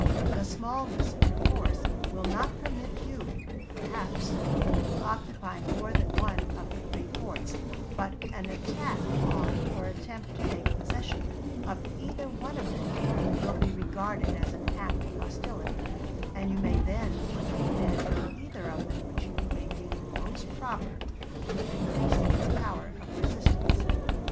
The smallness of your force will not permit you, perhaps, to occupy more than one of the three forts, but an attack on or attempt to take possession of either one of them will be regarded as an act of hostility, and you may then put your command into either of them which you may deem most proper, to increase its power of resistance.